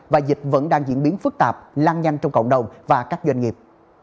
và dịch vẫn đang diễn biến phức tạp lan nhanh trong cộng đồng và các doanh nghiệp